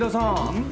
うん？